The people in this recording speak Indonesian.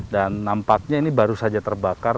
dan nampaknya ini baru saja terbakar